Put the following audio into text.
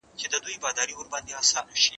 ما چي ول ته به زما خبره ومنې